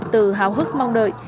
từ hào hức mong đợi